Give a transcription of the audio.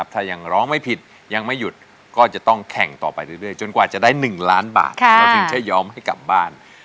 ถึงที่จะยอมให้กลับบ้าน